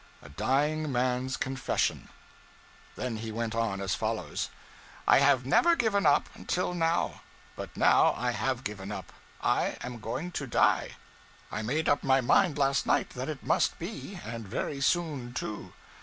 A DYING MAN S CONFESSION Then he went on as follows: I have never given up, until now. But now I have given up. I am going to die. I made up my mind last night that it must be, and very soon, too.